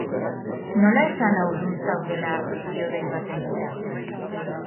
Nola esan haurdun zaudela bideodei baten bitartez?